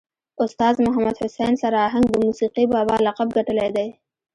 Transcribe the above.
استاذ محمد حسین سر آهنګ د موسیقي بابا لقب ګټلی دی.